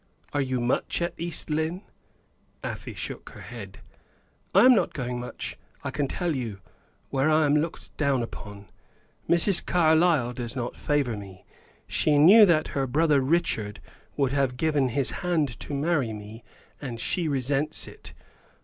"Are you much at East Lynne?" Afy shook her head. "I am not going much, I can tell you, where I am looked down upon. Mrs. Carlyle does not favor me. She knew that her brother Richard would have given his hand to marry me, and she resents it.